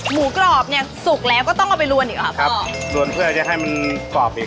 หมูกรอบเนี้ยสุกแล้วก็ต้องเอาไปลวนอีกหรอครับกรอบลวนเพื่อจะให้มันกรอบอีก